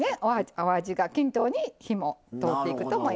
お味が均等に火も通っていくと思います。